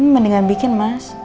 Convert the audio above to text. mendingan bikin mas